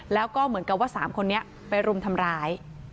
แล้วก็เหมือนกับว่า๓คนนี้ไปรุมทำร้าย